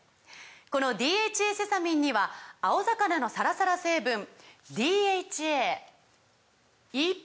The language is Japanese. この「ＤＨＡセサミン」には青魚のサラサラ成分ＤＨＡＥＰＡ